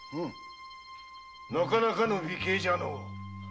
なかなかの美形じゃのう。